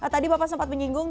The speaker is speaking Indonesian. tadi bapak sempat menyinggung